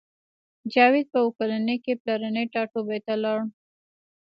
جاوید په اوه کلنۍ کې پلرني ټاټوبي ته لاړ